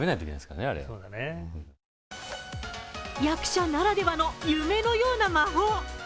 役者ならではの夢のような魔法。